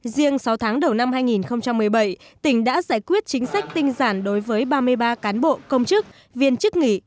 riêng sáu tháng đầu năm hai nghìn một mươi bảy tỉnh đã giải quyết chính sách tinh giản đối với ba mươi ba cán bộ công chức viên chức nghỉ